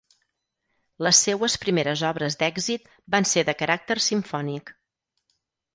Les seues primeres obres d'èxit van ser de caràcter simfònic.